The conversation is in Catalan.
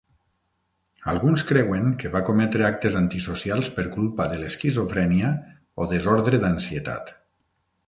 Alguns creuen que va cometre actes antisocials per culpa de l'esquizofrènia o desordre d'ansietat.